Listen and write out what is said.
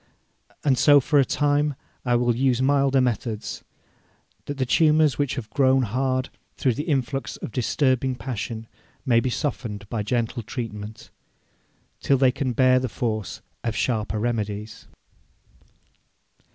And so for a time I will use milder methods, that the tumours which have grown hard through the influx of disturbing passion may be softened by gentle treatment, till they can bear the force of sharper remedies.'